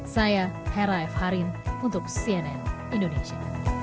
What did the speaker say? saya hera f harin untuk cnn indonesia